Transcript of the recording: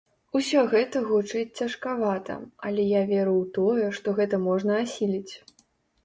Усё гэта гучыць цяжкавата, але я веру ў тое, што гэта можна асіліць.